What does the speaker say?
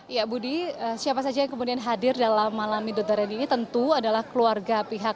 ya budi siapa saja yang kemudian hadir dalam malam midodaren ini tentu adalah keluarga pihak